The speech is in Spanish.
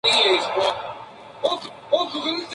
Tienen grandes ojos redondos, de color rojizo.